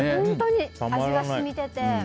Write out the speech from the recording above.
味が染みてて。